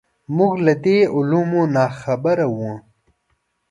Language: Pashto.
موږ له دې علومو ناخبره وو.